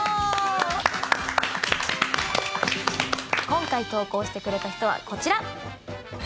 「ＮＯＮＩＯ」今回投稿してくれた人はこちら。